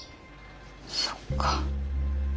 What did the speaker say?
そっか。